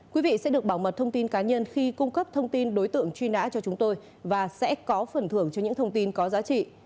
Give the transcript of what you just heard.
quý vị sẽ được bảo mật thông tin cá nhân khi cung cấp thông tin đối tượng truy nã cho chúng tôi và sẽ có phần thưởng cho những thông tin có giá trị